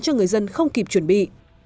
cho người dân không kịp chuẩn bị